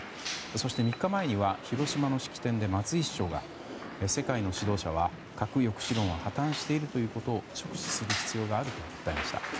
そして３日前には広島の式典で松井市長が世界の指導者は核抑止論を破綻していることを直視する必要があると訴えました。